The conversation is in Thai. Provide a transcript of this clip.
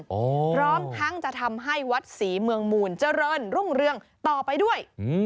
พร้อมทั้งจะทำให้วัดศรีเมืองมูลเจริญรุ่งเรืองต่อไปด้วยอืม